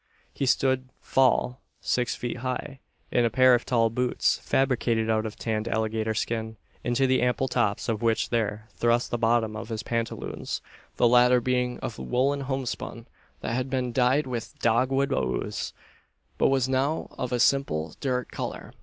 He stood fall six feet high, in a pair of tall boots, fabricated out of tanned alligator skin; into the ample tops of which were thrust the bottoms of his pantaloons the latter being of woollen homespun, that had been dyed with "dog wood ooze," but was now of a simple dirt colour.